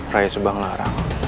raya sebang larang